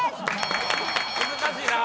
難しいなあ！